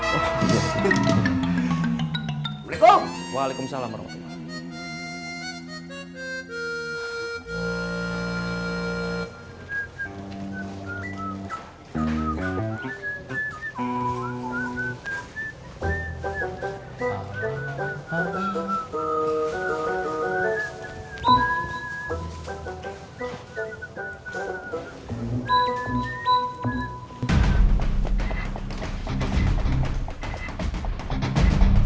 waalaikum waalaikum salam warahmatullah